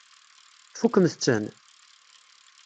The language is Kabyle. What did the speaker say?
Tfukkemt-ten?